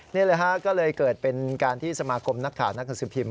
นี่แหละฮะก็เลยเกิดเป็นการที่สมาคมนักข่าวนักหนังสือพิมพ